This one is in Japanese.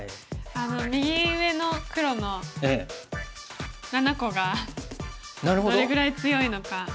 右上の黒の７個がどれぐらい強いのか。